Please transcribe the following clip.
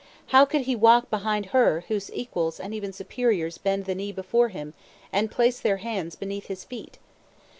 How could he walk behind her whose equals and even superiors bend the knee before him and place their hands beneath his feet?